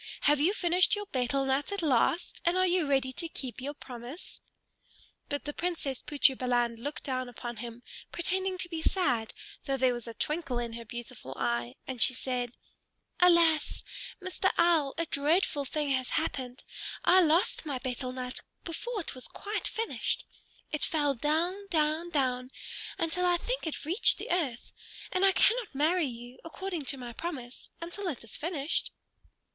"Have you finished your betel nut at last, and are you ready to keep your promise?" But the Princess Putri Balan looked down at him, pretending to be sad, though there was a twinkle in her beautiful eye; and she said, "Alas! Mr. Owl, a dreadful thing has happened. I lost my betel nut, before it was quite finished. It fell down, down, down, until I think it reached the earth. And I cannot marry you, according to my promise, until it is finished."